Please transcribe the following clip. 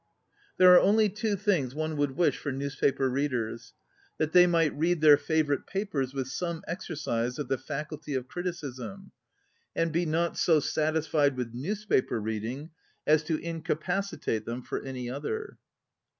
There are only two things one would wish for newspaper readers: ŌĆö that they might read their favor ite papers with some exercise of the faculty of criticism; and be not so satisfied with newspaper reading as to incapacitate them for any other.